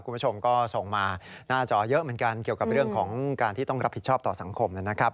คุณผู้ชมก็ส่งมาหน้าจอเยอะเหมือนกันเกี่ยวกับเรื่องของการที่ต้องรับผิดชอบต่อสังคมนะครับ